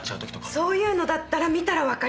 そういうのだったら見たらわかります。